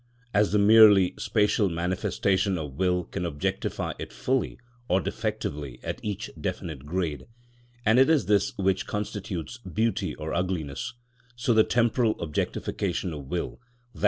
As the merely spatial manifestation of will can objectify it fully or defectively at each definite grade,—and it is this which constitutes beauty or ugliness,—so the temporal objectification of will, _i.